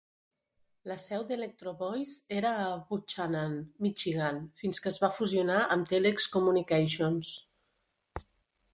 La seu d'Electro-Voice era a Buchanan, Michigan, fins que es va fusionar amb Telex Communications.